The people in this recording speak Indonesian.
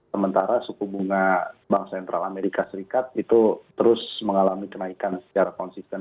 sementara suku bunga bank sentral amerika serikat itu terus mengalami kenaikan secara konsisten